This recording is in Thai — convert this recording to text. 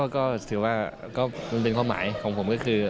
ก็ถือว่ามันเป็นความหมายของผมก็คือ